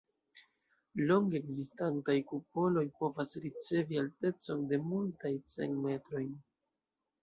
Longe ekzistantaj kupoloj povas ricevi altecon de multaj cent metrojn.